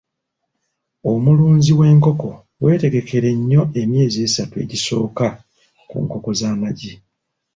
Omulunzi w'enkoko wetegekere nnyo emyezi esatu egisooka ku nkoko z'amagi.